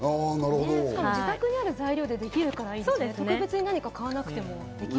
しかも自宅にある材料でできるからいいですよね、特別に買わなくても。